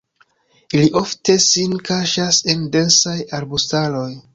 Ili ofte sin kaŝas en densaj arbustaroj.